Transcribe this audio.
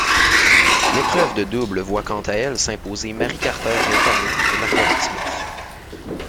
L'épreuve de double voit quant à elle s'imposer Mary Carter Reitano et Margaret Smith.